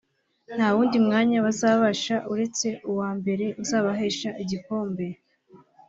ntawundi mwanya bashaka uretse uwa mbere uzabahesha igikombe